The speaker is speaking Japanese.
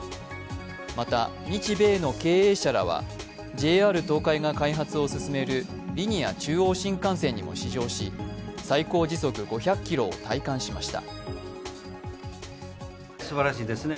また日米の経営者らはＪＲ東海が開発を進めるリニア中央新幹線にも試乗し、最高時速５００キロを体感しました。